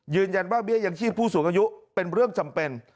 เบี้ยยังชีพผู้สูงอายุเป็นเรื่องจำเป็น